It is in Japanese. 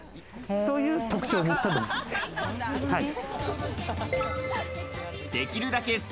そういう特徴を持った動物です。